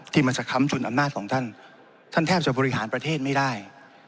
ที่มันจะค้ำจุนอำนาจของท่านท่านแทบจะบริหารประเทศไม่ได้